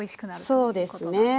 そうですね。